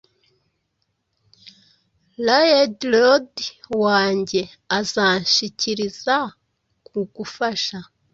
Liegelord wanjye azanshishikariza kugufasha